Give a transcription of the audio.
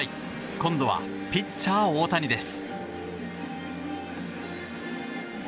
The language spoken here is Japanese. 今度はピッチャー、大谷です。